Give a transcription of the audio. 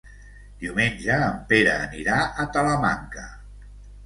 Diumenge en Pere anirà a Talamanca.